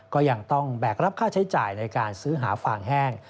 ก็ยังต้องแบกรับค่าใช้จ่ายในการซื้อหาฟางแห้ง